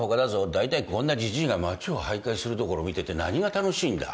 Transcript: だいたいこんなジジイが町を徘徊するところ見てて何が楽しいんだ？